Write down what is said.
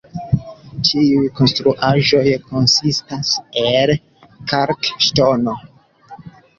Ĉiuj konstruaĵoj konsistas el kalkŝtono.